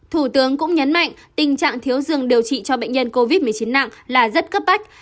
thủ tướng cũng nhấn mạnh tình trạng thiếu dường điều trị cho bệnh nhân covid một mươi chín nặng là rất cấp bách